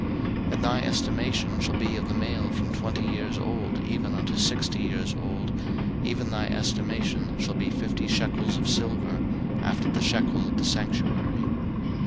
03:027:003 And thy estimation shall be of the male from twenty years old even unto sixty years old, even thy estimation shall be fifty shekels of silver, after the shekel of the sanctuary.